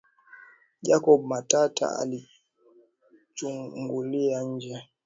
Jacob Matata alichungulia nje